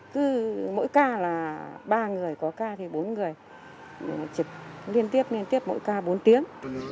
cứ mỗi ca là ba người có ca thì bốn người liên tiếp mỗi ca bốn tiếng